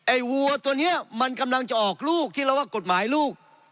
วัวตัวนี้มันกำลังจะออกลูกที่เราว่ากฎหมายลูก